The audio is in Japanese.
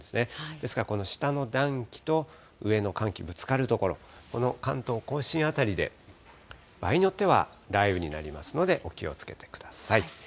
ですからこの下の暖気と上の寒気ぶつかる所、この関東甲信辺りで、場合によっては雷雨になりますので、お気をつけてください。